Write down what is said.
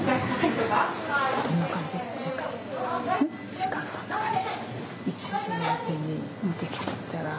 時間どんな感じ？